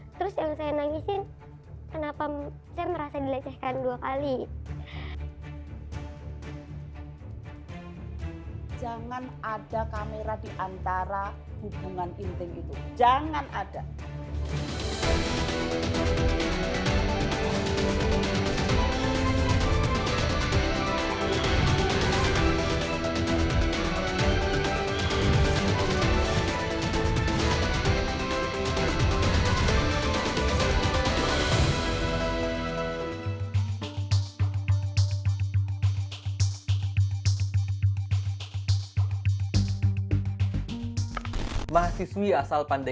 terus yang saya nangisin kenapa saya merasa dilecehkan dua kali